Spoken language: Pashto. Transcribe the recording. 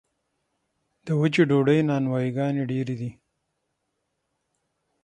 د وچې ډوډۍ نانوایي ګانې ډیرې دي